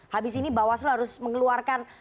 habis ini bawaslu harus mengeluarkan